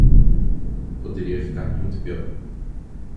Poderia ficar muito pior.